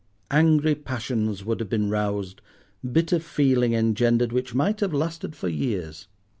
Angry passions would have been roused, bitter feeling engendered which might have lasted for years.